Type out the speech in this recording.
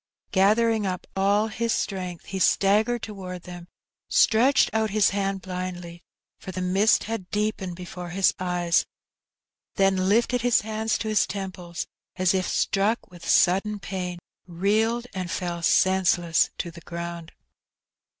Gathering up all his strength, he staggered towards them, stretched out his hand blindly, for the mist had deepened before his eyes, then lifted his hands to his temples, as if struck with sudden pain, reeled, and fell senseless to the ground.